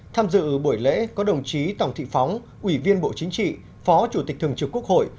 tham dự buổi lễ có đồng chí tòng thị phóng ủy viên bộ chính trị phó chủ tịch thường trực quốc hội